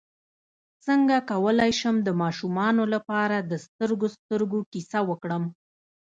څنګه کولی شم د ماشومانو لپاره د سترګو سترګو کیسه وکړم